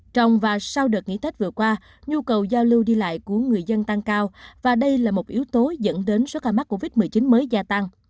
trong và sau đợt nghỉ tết vừa qua nhu cầu giao lưu đi lại của người dân tăng cao và đây là một yếu tố dẫn đến số ca mắc covid một mươi chín mới gia tăng